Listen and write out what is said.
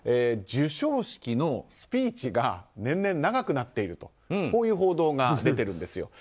授賞式のスピーチが年々長くなっているという報道が出ているんです。